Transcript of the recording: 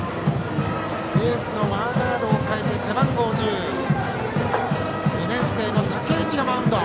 エースのマーガードを代えて背番号１０２年生の武内がマウンド。